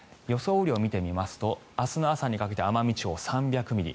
雨量を見てみますと明日の朝にかけて奄美地方、３００ミリ